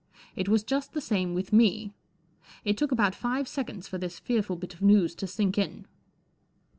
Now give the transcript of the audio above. It was just the same with me. It took about five seconds for this fearful bit of news to sink in.